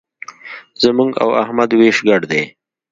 زموږ او احمد وېش ګډ دی.